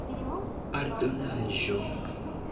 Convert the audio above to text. aldonaĵo